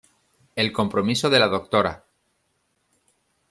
El compromiso de la Dra.